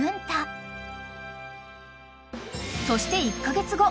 ［そして１カ月後］